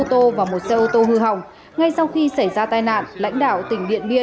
tránh xảy ra ồn tắc